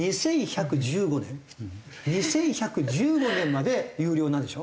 ２１１５年まで有料なんでしょ？